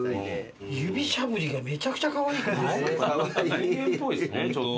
人間っぽいっすね。